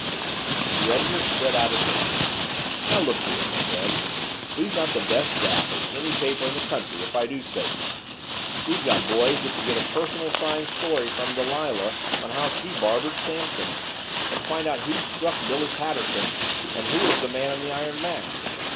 The editor spread out his hands. "Now, look here," he said. "We've got the best staff of any paper in the country, if I do say it. We've got boys that could get a personal signed story from Delilah on how she barbered Samson and find out who struck Billy Patterson and who was the Man in the Iron Mask.